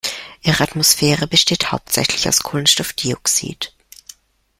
Ihre Atmosphäre besteht hauptsächlich aus Kohlenstoffdioxid.